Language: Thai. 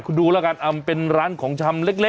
คุณดูแล้วกันเป็นร้านของชำเล็ก